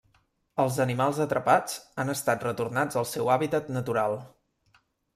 Els animals atrapats han estat retornats al seu hàbitat natural.